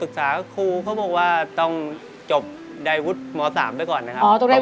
ศึกษาครูเขาบอกว่าต้องจบไดวุทธ์ม๓ไปก่อนนะครับ